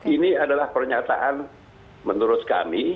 ini adalah pernyataan menurut kami